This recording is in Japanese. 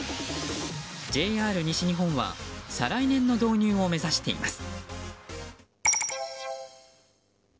ＪＲ西日本は再来年の導入を目指しています。